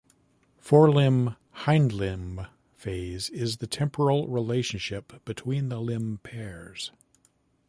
Forelimb-hindlimb phase is the temporal relationship between the limb pairs.